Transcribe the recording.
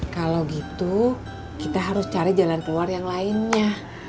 kalau gitu kita harus cari jalan keluar yang lainnya